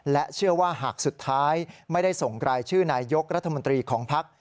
และเชื่อว่าหากสุดท้ายไม่ได้ส่งรายชื่อนายยกรัฐมนตรีของพัก